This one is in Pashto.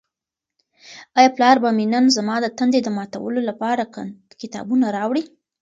آیا پلار به مې نن زما د تندې د ماتولو لپاره کتابونه راوړي؟